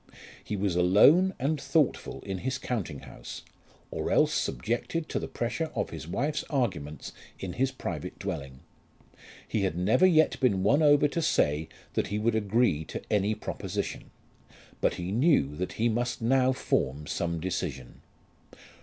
He was alone and thoughtful in his counting house, or else subjected to the pressure of his wife's arguments in his private dwelling. He had never yet been won over to say that he would agree to any proposition, but he knew that he must now form some decision.